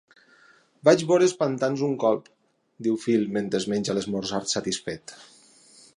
"Vaig veure els pantans un cop", diu Phil mentre es menja l'esmorzar satisfet.